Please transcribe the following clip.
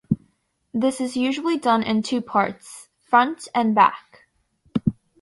This is usually done in two parts-front and back.